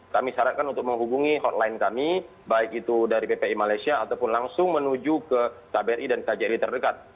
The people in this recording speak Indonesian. kami syaratkan untuk menghubungi hotline kami baik itu dari bpi malaysia ataupun langsung menuju ke kbri dan kjri terdekat